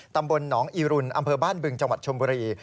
ตำบลหนองอีรุนอำเภอบ้านบึงจังหวัดชมบุรี